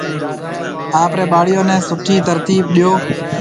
آپرَي ٻاݪون نَي سوٺِي ترتِيب ڏيو۔